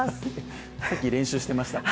さっき、練習してましたね。